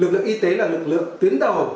lực lượng y tế là lực lượng tiến đầu